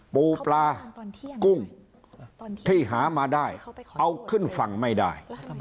ปูปลากุ้งที่หามาได้เอาขึ้นฝั่งไม่ได้